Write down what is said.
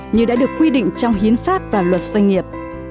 như đã được quy định trong hiến pháp và luật doanh nghiệp